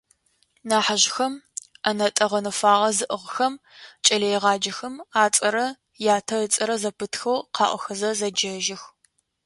Нахьыжъхэм, ӏэнэтӏэ гъэнэфагъэ зыӏыгъхэм, кӏэлэегъаджэхэм ацӏэрэ ятэ ыцӏэрэ зэпытхэу къаӏохэзэ зэджэжьых.